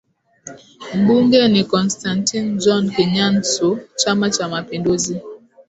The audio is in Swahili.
mbunge ni Costantine John Kanyansu Chama cha mapinduzi